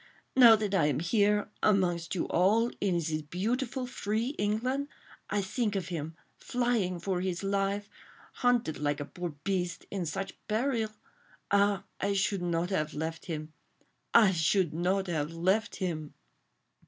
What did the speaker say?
now that I am here—amongst you all—in this beautiful, free England—I think of him, flying for his life, hunted like a poor beast ... in such peril. ... Ah! I should not have left him ... I should not have left him!